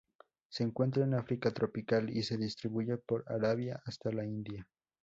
Se encuentra en África tropical y se distribuye por Arabia hasta la India.